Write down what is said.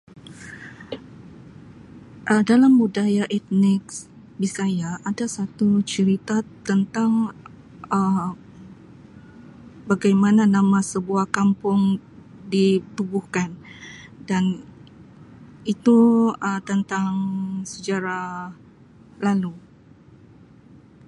Um Dalam budaya etniks Bisaya ada satu cerita tentang Um bagaimana nama sebuah kampung ditubuhkan dan itu Um tentang sejarah lalu.